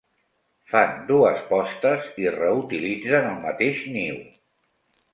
Fan dues postes i reutilitzen el mateix niu.